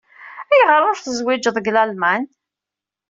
Ayɣer ur tezwijeḍ deg Lalman?